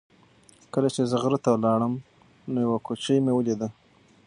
کله چې زه غره ته لاړم نو یوه کوچۍ مې ولیده.